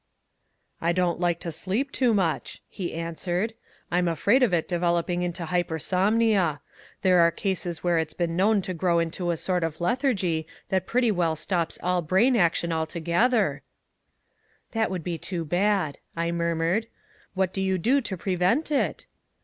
"I don't like to sleep too much," he answered. "I'm afraid of it developing into hypersomnia. There are cases where it's been known to grow into a sort of lethargy that pretty well stops all brain action altogether " "That would be too bad," I murmured. "What do you do to prevent it?"